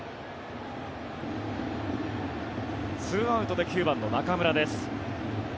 ２アウトで９番の中村です。